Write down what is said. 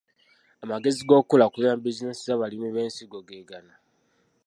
Amagezi g’okukulaakulanya bizinensi z’abalimi b’ensigo ge gano.